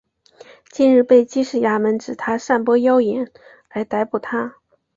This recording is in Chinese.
近日被缉事衙门指他散播妖言而逮捕他。